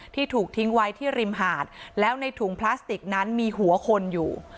ถูกทิ้งไว้ที่ริมหาดแล้วในถุงพลาสติกนั้นมีหัวคนอยู่